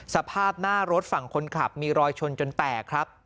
สภาพหน้ารถฝั่งคนขับมีรอยชนจนแตกครับ